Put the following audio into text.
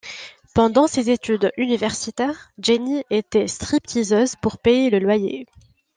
Pendant ses études universitaires, Jenny était strip teaseuse pour payer le loyer.